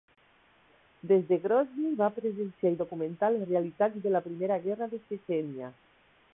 Des de Grozni, va presenciar i documentar les realitats de la Primera Guerra de Txetxènia.